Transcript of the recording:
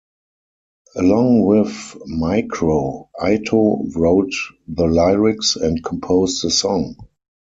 Along with Micro, Ito wrote the lyrics and composed the song.